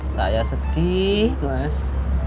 saya sedih mas